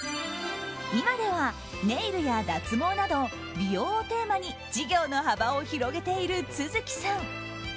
今ではネイルや脱毛など美容をテーマに事業の幅を広げている續さん。